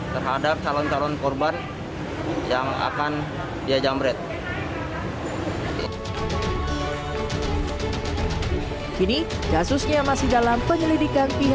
terhadap calon calon korban yang akan diajamret